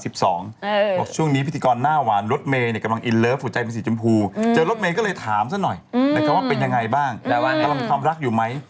ช่วงนี้พิธีกรหน้าหวานรถเมย์กำลังอินเลิฟหัวใจเป็นสีชมพูเจอรถเมย์ก็เลยถามซะหน่อยนะครับว่าเป็นยังไงบ้างแต่ว่ากำลังความรักอยู่ไหม